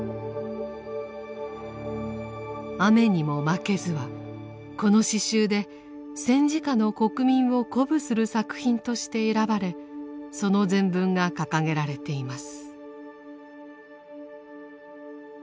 「雨ニモマケズ」はこの詩集で戦時下の国民を鼓舞する作品として選ばれその全文が掲げられています。